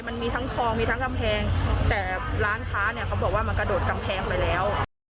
มันมีทั้งคลองมีทั้งกำแพงแต่ร้านค้าเนี่ยเขาบอกว่ามันกระโดดกำแพงไปแล้ว